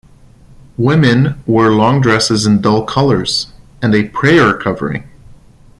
Women wore long dresses in dull colors, and a "prayer covering".